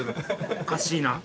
おかしいな。